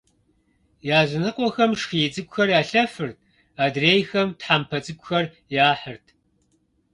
Языныкъуэхэм шхий цӏыкӏухэр ялъэфырт, адрейхэм тхьэмпэ цӏыкӏухэр яхьырт.